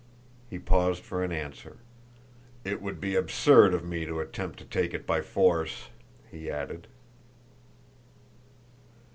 He paused for an answer. "It would be absurd of me to attempt to take it by force," he added.